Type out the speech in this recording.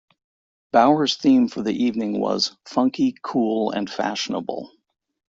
Bowers' theme for the evening was 'funky, cool and fashionable'.